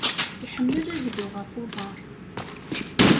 Iḥemmel ad yeddu ɣef uḍaṛ.